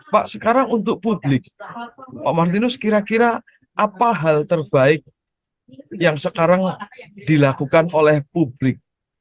pak sekarang untuk publik pak martinus kira kira apa hal terbaik yang sekarang dilakukan oleh publik